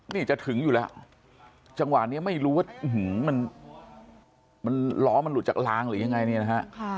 นี่จะถึงอยู่แล้วจังหวะนี้ไม่รู้ว่ามันล้อมันหลุดจากลางหรือยังไงเนี่ยนะฮะ